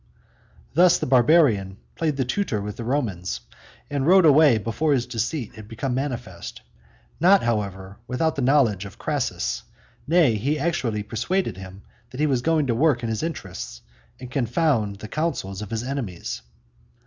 Thus the Barbarian played the tutor with the Romans, and rode away before his deceit had become manifest, not, however, without the knowledge of Crassus, nay, he actually persuaded him that he was going to work in his interests and confound the counsels of his enemies.